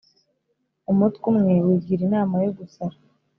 umutwe umwe wigira inama yogusara